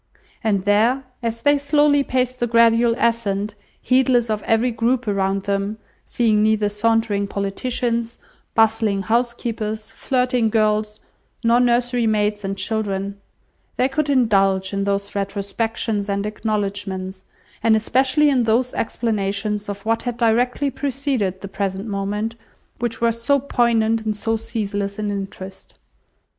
And there, as they slowly paced the gradual ascent, heedless of every group around them, seeing neither sauntering politicians, bustling housekeepers, flirting girls, nor nursery maids and children, they could indulge in those retrospections and acknowledgements, and especially in those explanations of what had directly preceded the present moment, which were so poignant and so ceaseless in interest.